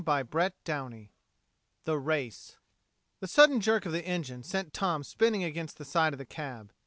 CHAPTER NINE THE RACE The sudden jerk of the engine sent Tom spinning against the side of the cab.